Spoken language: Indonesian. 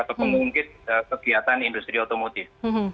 atau pengungkit kegiatan industri otomotif